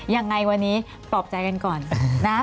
ยังไงวันนี้ปลอบใจกันก่อนนะ